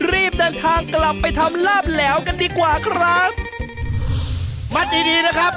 รีบเดินทางกลับไปทำลาบแหลวกันดีกว่าครับ